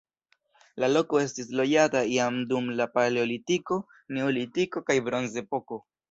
La loko estis loĝata jam dum la paleolitiko, neolitiko kaj bronzepoko.